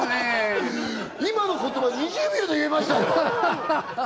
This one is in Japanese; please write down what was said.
今の言葉２０秒で言えましたよ